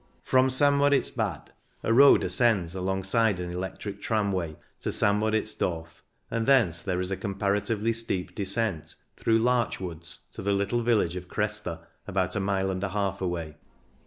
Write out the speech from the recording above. THE ENGADINE 169 From St Moritz Bad a road ascends, alongside an electric tramway, to St Moritz Dorf, and thence there is a com paratively steep descent, through larch woods, to the little village of Cresta, about a mile and a half away.